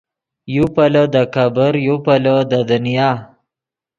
یو پیلو دے کېبر یو پیلو دے دنیا